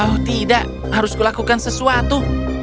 oh tidak harus kulakukan sesuatu